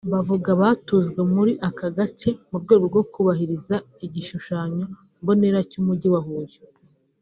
Bavuga batujwe muri aka gace mu rwego rwo kubahiriza igishushanyo mbonera cy’umugi wa Huye